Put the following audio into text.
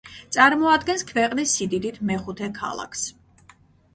წარმოადგენს ქვეყნის სიდიდით მეხუთე ქალაქს.